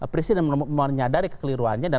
presiden menyadari kekeliruannya dan